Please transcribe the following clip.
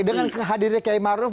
dengan hadir kiai maruf